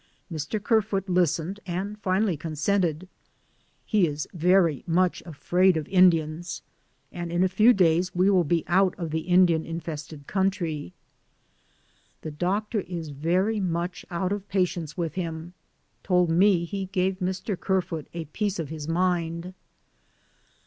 Mr. Kerfoot listened, and finally con sented. He is very much afraid of Indians, and in a few days we will be out of the In dian infested country. The doctor is very much out of patience with him, told me he gave Mr. Kerfoot a piece of his mind.